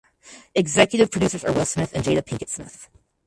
Executives producers are Will Smith and Jada Pinkett Smith.